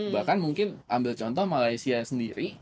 bahkan mungkin ambil contoh malaysia sendiri